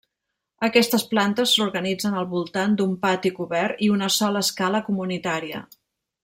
Aquestes plantes s'organitzen al voltant d'un pati cobert i una sola escala comunitària.